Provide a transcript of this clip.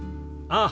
ああ。